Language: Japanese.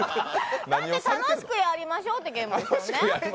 だって、楽しくやりましょうっていうゲームですよね。